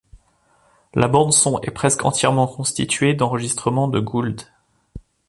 La bande son est presque entièrement constituée d'enregistrements de Gould.